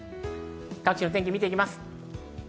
各地の天気を見ていきます。